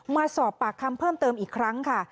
มาสอบปากคำเพิ่มเติมอีกครั้งค่ะ